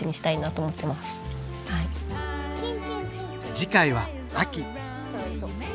次回は秋。